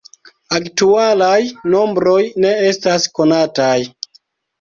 Aktualaj nombroj ne estas konataj.